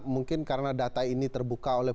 mungkin karena data ini terbuka oleh